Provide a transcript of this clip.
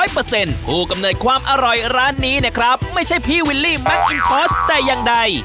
ผู้กำเนิดความอร่อยร้านนี้นะครับไม่ใช่พี่วิลลี่แมคอินคอร์สแต่อย่างใด